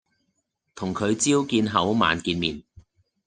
同佢朝見口晚見面